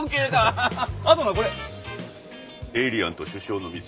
あとなこれエイリアンと首相の密約。